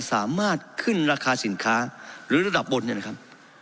สามารถขึ้นราคาสินค้าหรือระดับบนเนี่ยนะครับ